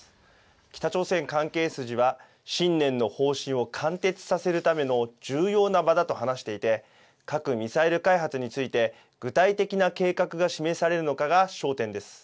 北朝鮮関係筋は新年の方針を貫徹させるための重要な場だと話していて核・ミサイル開発について具体的な計画が示されるのかが焦点です。